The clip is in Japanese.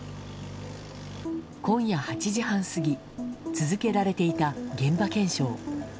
今夜８時半過ぎ続けられていた現場検証。